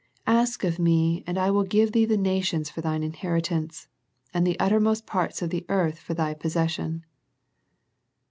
Ask of Me, and I will give Thee the nations for Thine inheritance, And the uttermost parts of the earth for Thy possession."